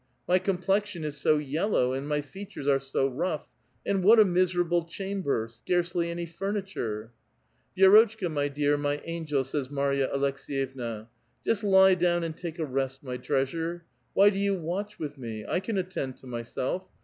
my complexion is so yellow, and my features are so rough ! and what a miserable chamber ! Scarcelv anv furniture !"" Vi^rotchka, my dear, my angel," says Marya Aleks^yevna, " just lie down and take a rest, my treasure. Why do you watch with me ? I can attend to myself.